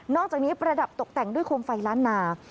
อกจากนี้ประดับตกแต่งด้วยโคมไฟล้านนา